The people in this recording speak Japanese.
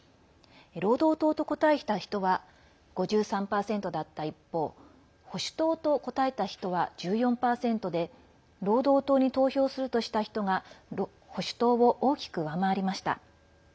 労働党と答えた人は５３％だった一方保守党と答えた人は１４％で労働党に投票するとした人が保守党を大きく上回りました。